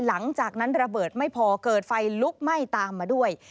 หลังจากนั้นระเบิดไม่พอเกิดไฟลุกไหม้ตามมาด้วย